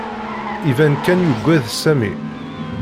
Iban kan yuggad Sami.